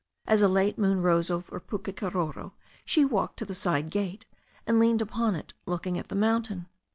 As a late moon rose over Pukekaroro she walked to the side gate and leaned upon it looking at the mountain.